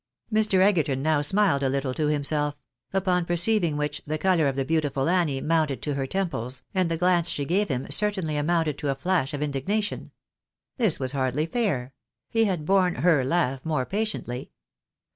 Mr. Egerton now smiled a little to himself; upon perceiving which, the colour of the beautiful Annie mounted to her temples, and the glance she gave him certainly amounted to a flash of indig nation. This was hardly fair; he had borne Tier laugh more patiently.